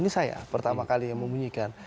ini saya pertama kali yang membunyikan